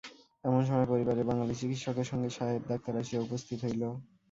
এমন সময় পরিবারের বাঙালি চিকিৎসকের সঙ্গে সাহেব-ডাক্তার আসিয়া উপস্থিত হইল।